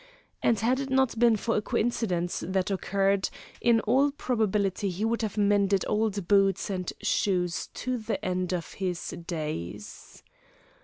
And had it not been for a coincidence that occurred, in all probability he would have mended old boots and shoes to the end of his days.